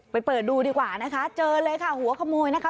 เปิดดูดีกว่านะคะเจอเลยค่ะหัวขโมยนะคะ